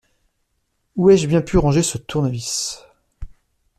Où ai-je bien pu ranger ce tournevis?